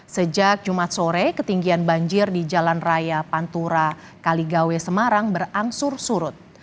sejak jumat sore ketinggian banjir di jalan raya pantura kaligawe semarang berangsur surut